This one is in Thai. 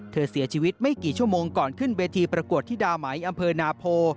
เสียชีวิตไม่กี่ชั่วโมงก่อนขึ้นเวทีประกวดธิดาไหมอำเภอนาโพ